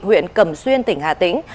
huyện cẩm xuyên tỉnh hà tĩnh